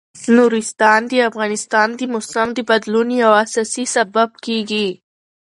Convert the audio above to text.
نورستان د افغانستان د موسم د بدلون یو اساسي سبب کېږي.